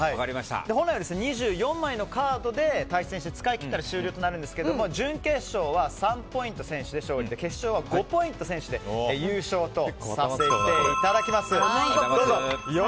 本来は２４枚のカードで対戦して使い切ったら終了となるんですけども準決勝は３ポイント先取で勝利で決勝は５ポイント先取で優勝とさせていただきます。